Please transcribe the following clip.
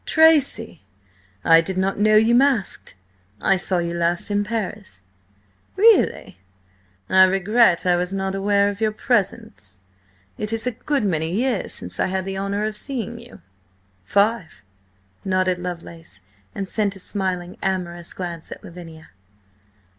"Tracy! I did not know you masked! I saw you last in Paris." "Really? I regret I was not aware of your presence. It is a good many years since I had the honour of seeing you." "Five," nodded Lovelace, and sent a smiling, amorous glance at Lavinia.